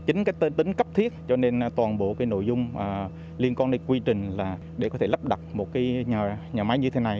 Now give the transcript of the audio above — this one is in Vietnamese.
chính cái tính cấp thiết cho nên toàn bộ cái nội dung liên quan đến quy trình là để có thể lắp đặt một cái nhà máy như thế này